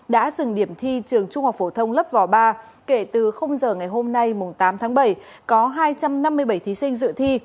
đã dừng điểm thi trường trung học phổ thông lớp vò ba kể từ giờ ngày hôm nay tám tháng bảy có hai trăm năm mươi bảy thí sinh dự thi